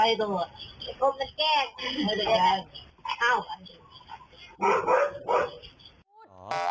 อยากกินใช่ไหมครับ